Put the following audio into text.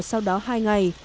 sau đó hai ngày